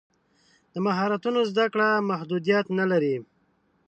د مهارتونو زده کړه محدودیت نه لري.